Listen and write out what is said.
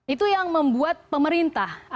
itu yang membuat pemerintah